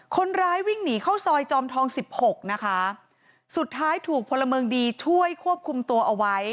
คนร้ายวิ่งหนีเข้าซอยจอมทองสิบหกนะคะสุดท้ายถูกพลเมืองดีช่วยควบคุมตัวเอาไว้